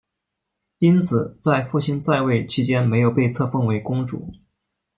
因此在父亲在位期间没有被册封为公主。